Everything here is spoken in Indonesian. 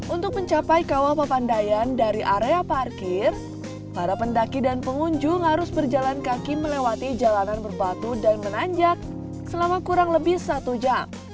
untuk mencapai kawah papandayan dari area parkir para pendaki dan pengunjung harus berjalan kaki melewati jalanan berbatu dan menanjak selama kurang lebih satu jam